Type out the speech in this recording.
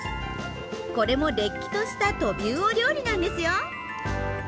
これもれっきとしたトビウオ料理なんですよ！